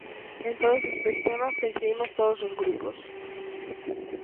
En todos estes temas coincidimos todos os grupos.